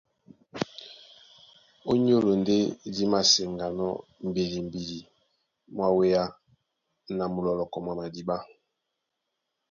Ó nyólo ndé dí māseŋganɔ́ mbidimbidi mwá wéá na mulɔlɔkɔ mwá madíɓá.